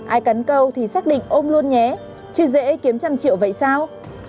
ai cắn câu thì xác định ôm luôn nhé chứ dễ kiếm trăm triệu vậy sao